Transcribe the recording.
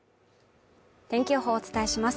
天気予報お伝えします